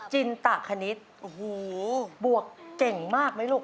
จินตะคณิตบวกเจ๋งมากไหมลูก